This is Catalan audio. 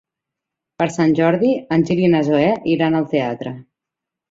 Per Sant Jordi en Gil i na Zoè iran al teatre.